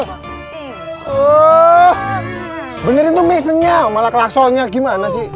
wah benerin tuh mesennya malah kelaksonnya gimana sih